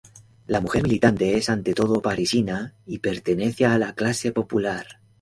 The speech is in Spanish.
La mujer militante es ante todo parisina y pertenece a la clase popular.